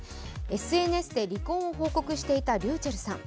ＳＮＳで離婚を報告していたｒｙｕｃｈｅｌｌさん。